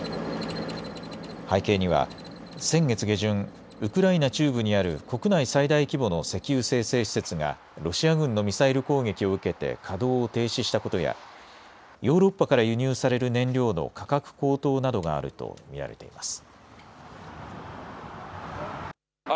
背景には先月下旬、ウクライナ中部にある国内最大規模の石油精製施設がロシア軍のミサイル攻撃を受けて稼働を停止したことやヨーロッパから輸入される燃料の価格高騰などがあると見られています。